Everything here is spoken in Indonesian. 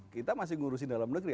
kita masih ngurusin dalam negeri